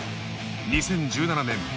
２０１７年